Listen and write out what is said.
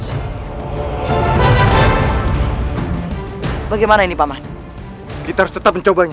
hai bagaimana ini paman kita tetap mencobanya